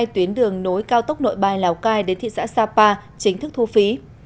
hai tuyến đường nối cao tốc nội bài lào cai đến thị xã sapa chính thức thu phí